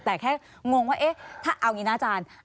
แต่แค่งงว่าเอ๊ะถ้าเอาอย่างนี้นะอาจารย์